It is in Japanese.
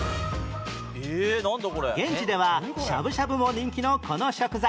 現地ではしゃぶしゃぶも人気のこの食材